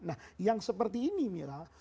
nah yang seperti ini mila